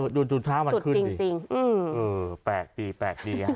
โอ้โหดูท่ามันขึ้นสุดจริงแปลกดีอ่ะ